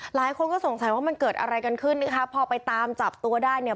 หลายคนก็สงสัยว่ามันเกิดอะไรกันขึ้นนะคะพอไปตามจับตัวได้เนี่ย